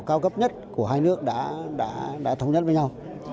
cao cấp nhất của hai nước đã thống nhất với nhau